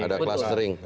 ada kelas sering